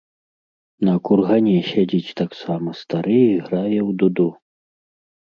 На кургане сядзіць таксама стары і грае ў дуду.